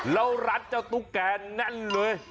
แล้วรัดเจ้าตุ๊กแกแน่นเลย